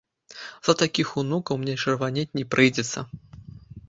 З-за такіх унукаў мне чырванець не прыйдзецца.